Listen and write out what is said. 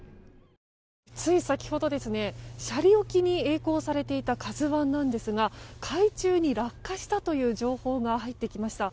つい先ほど斜里沖にえい航されていた「ＫＡＺＵ１」なんですが海中に落下したという情報が入ってきました。